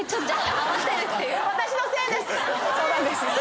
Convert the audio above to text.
私のせいです！